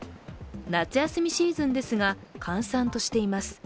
夏休みシーズンですが閑散としています。